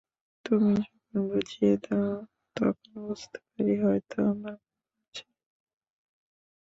তুমি যখন বুঝিয়ে দাও তখন বুঝতে পারি হয়তো আমার ভুল আছে।